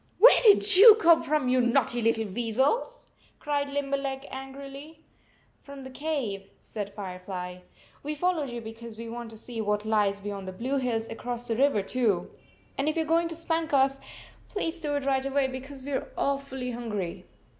" Where did you come from, you naughty little weasels?" cried Limberleg angrily. "From the cave," said Firefly. "We followed you because we want to see what lies beyond the blue hills across the river, too. And if you are going to spank us, please do it right away, because we are awfully hungry."